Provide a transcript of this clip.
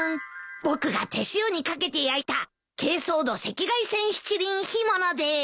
僕が手塩にかけて焼いた珪藻土赤外線七輪干物でーす。